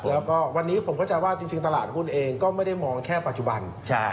แล้วก็วันนี้ผมเข้าใจว่าจริงตลาดหุ้นเองก็ไม่ได้มองแค่ปัจจุบัน